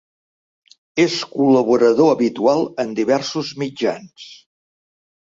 És col·laborador habitual en diversos mitjans.